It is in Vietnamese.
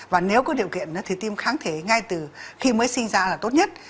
và nếu có điều kiện thì tiêm kháng thể ngay từ khi mới sinh ra là tốt nhất